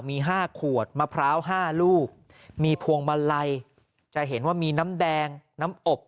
มี๕ขวดมะพร้าว๕ลูกมีพวงมาลัยจะเห็นว่ามีน้ำแดงน้ำอบ